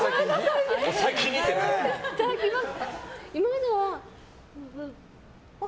いただきます。